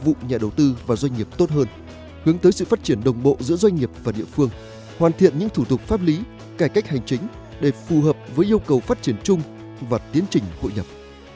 vụ nhà đầu tư và doanh nghiệp tốt hơn hướng tới sự phát triển đồng bộ giữa doanh nghiệp và địa phương hoàn thiện những thủ tục pháp lý cải cách hành chính để phù hợp với yêu cầu phát triển chung và tiến trình hội nhập